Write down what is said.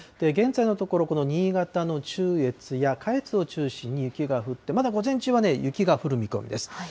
現在のところ、この新潟の中越や、下越を中心に雪が降って、まだ午前中は雪が降る見込みです。